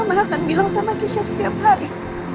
mama akan bilang sama kesya setiap hari